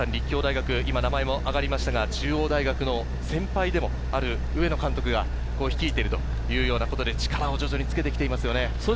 立教大学、今、名前あがりましたが中央大学の先輩でもある上野監督が率いているというようなことで、力を徐々につけていますよね。